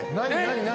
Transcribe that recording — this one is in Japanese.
何？